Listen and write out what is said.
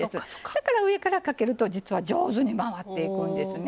だから上からかけると実は上手に回っていくんですね。